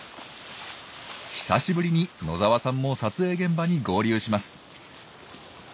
久しぶりに野澤さんも撮影現場に合流します。